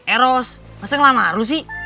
eh ros masa ngelamar lu sih